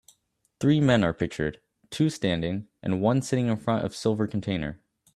Three men are pictured two standing and one sitting in front of silver container